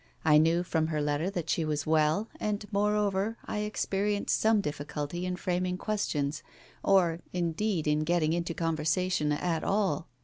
I knew from her letter that she was well, and moreover I experi enced some difficulty in framing questions, or indeed in getting into conversation at all.